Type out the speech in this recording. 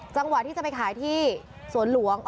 จังหวะที่จะไปขายที่สวนหลวง